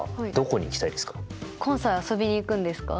関西遊びに行くんですか？